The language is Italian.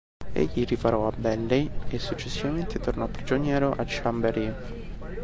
Egli riparò a Belley e successivamente tornò prigioniero a Chambéry.